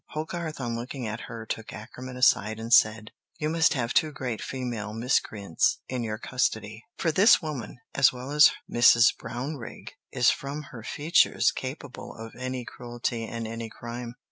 Hogarth on looking at her took Akerman aside and said, "You must have two great female miscreants in your custody, for this woman as well as Mrs. Brownrigg is from her features capable of any cruelty and any crime."